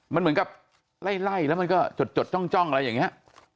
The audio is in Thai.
มันเหมือนกับไล่แล้วมันก็จดจ้องอะไรอย่างนี้